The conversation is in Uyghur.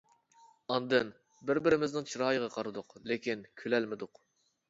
ئاندىن بىر-بىرىمىزنىڭ چىرايىغا قارىدۇق، لېكىن كۈلەلمىدۇق.